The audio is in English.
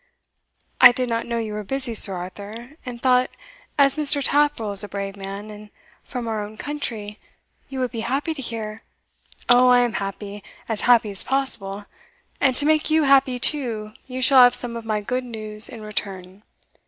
"I did not know you were busy, Sir Arthur; and thought, as Mr. Taffril is a brave man, and from our own country, you would be happy to hear" "Oh, I am happy as happy as possible and, to make you happy too, you shall have some of my good news in return."